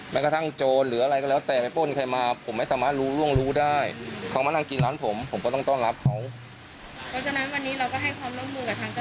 เพราะฉะนั้นวันนี้เราก็ให้ความเริ่มรู้กับทางร้านเนี่ย